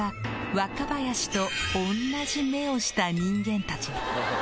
若林と同じ目をした人間たち。